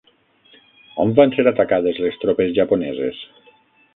On van ser atacades les tropes japoneses?